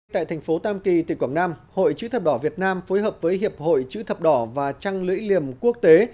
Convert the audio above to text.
tại thành phố tam kỳ tỉnh quảng nam hội chữ thập đỏ việt nam phối hợp với hiệp hội chữ thập đỏ và trăng lưỡi liềm quốc tế